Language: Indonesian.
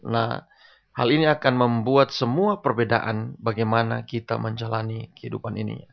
nah hal ini akan membuat semua perbedaan bagaimana kita menjalani kehidupan ini